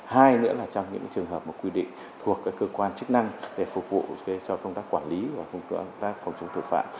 hai nữa là trong những trường hợp quy định thuộc cơ quan chức năng để phục vụ cho công tác quản lý và công tác phòng chống tội phạm